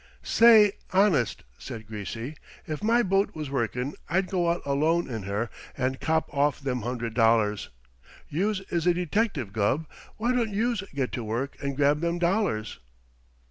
"Say, honest!" said Greasy, "if my boat was workin' I'd go out alone in her and cop off them hundred dollars. Youse is a detective, Gubb; why don't youse get to work and grab them dollars?"